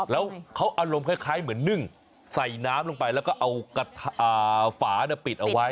แล้วเขาอารมณ์คล้ายเหมือนนึ่งใส่น้ำลงไปแล้วก็เอาฝาปิดเอาไว้